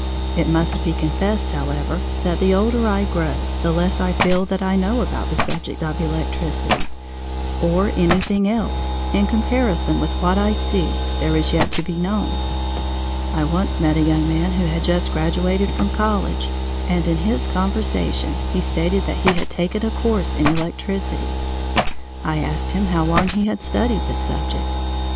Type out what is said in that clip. It must be confessed, however, that the older I grow the less I feel that I know about the subject of electricity, or anything else, in comparison with what I see there is yet to be known. I once met a young man who had just graduated from college, and in his conversation he stated that he had taken a course in electricity. I asked him how long he had studied the subject.